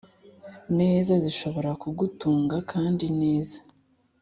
neza zishobora kugutunga kandi neza.